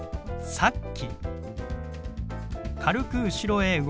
「さっき」。